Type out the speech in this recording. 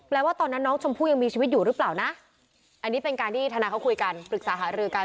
ว่าตอนนั้นน้องชมพู่ยังมีชีวิตอยู่หรือเปล่านะอันนี้เป็นการที่ธนาเขาคุยกันปรึกษาหารือกัน